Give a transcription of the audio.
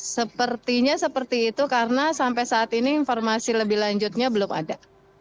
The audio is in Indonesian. sepertinya seperti itu karena sampai saat ini informasi lebih lanjutnya belum ada